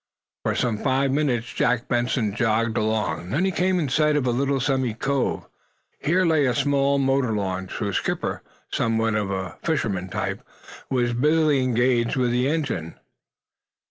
For some five minutes Jack Benson jogged along. Then he came in sight of a little semicove. Here lay a small motor launch, whose skipper, somewhat of the fisherman type, was busily engaged with the engine.